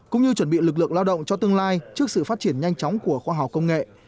cũng như chuẩn bị lực lượng lao động cho tương lai trước sự phát triển nhanh chóng của khoa học công nghệ